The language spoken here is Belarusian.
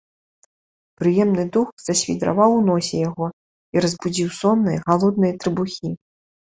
Прыемны дух засвідраваў у носе яго і разбудзіў сонныя, галодныя трыбухі.